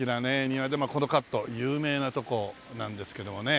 庭でもこのカット有名なとこなんですけどもね。